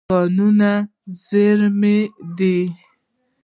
کانونه زېرمه دي.